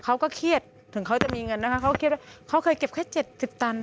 เขาก็เครียดถึงเขาจะมีเงินนะคะเขาก็คิดว่าเขาเคยเก็บแค่๗๐ตัน